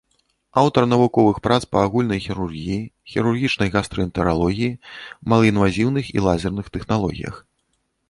Аўтар навуковых прац па агульнай хірургіі, хірургічнай гастраэнтэралогіі, малаінвазіўных і лазерных тэхналогіях.